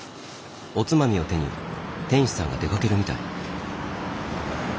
おつまみを手に店主さんが出かけるみたい。